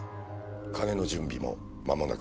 金の準備も間もなくです。